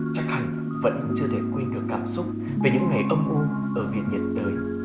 chắc hẳn vẫn chưa thể quên được cảm xúc về những ngày âm u ở miền nhật đời